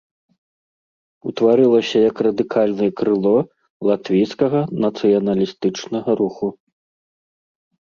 Утварылася як радыкальнае крыло латвійскага нацыяналістычнага руху.